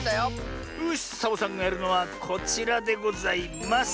よしサボさんがやるのはこちらでございます。